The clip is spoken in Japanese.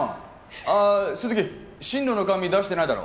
あ鈴木進路の紙出してないだろ？